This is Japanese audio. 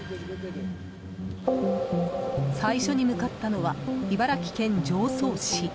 最初に向かったのは茨城県常総市。